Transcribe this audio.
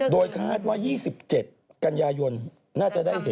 โดยคาดว่า๒๗กันยายนน่าจะได้เห็น